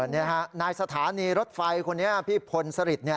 นี่ฮะนายสถานีรถไฟคนนี้พี่พลสริท